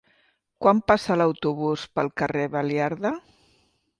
Quan passa l'autobús pel carrer Baliarda?